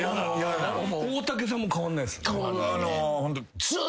大竹さんも変わんないっすよね。